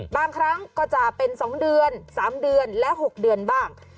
บางครั้งก็จะเป็น๒เดือน๓เดือนและ๖เดือนบ้าง